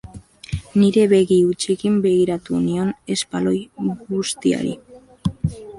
Nire begi hutsekin begiratu nion espaloi bustiari.